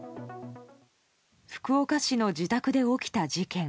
福岡市の自宅で起きた事件。